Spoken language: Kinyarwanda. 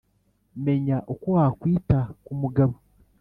Menya uko wakwita ku mugabo